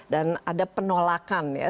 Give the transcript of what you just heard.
dan ada penolakan ya